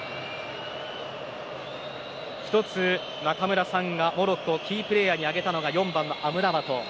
１つ、中村さんがモロッコのキープレーヤーに挙げたのが４番のアムラバト。